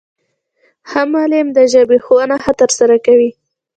ښه معلم د ژبي ښوونه ښه ترسره کوي.